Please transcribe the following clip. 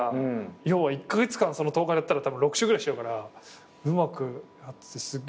要は１カ月間その１０日でやったら６周ぐらいしちゃうからうまくやっててすっげえ。